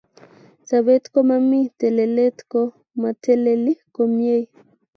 sapet komami telelet ko mateleli komiei